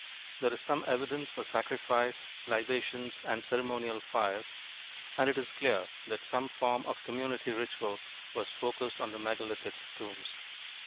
There is some evidence for sacrifice, libations, and ceremonial fires, and it is clear that some form of community ritual was focused on the megalithic tombs.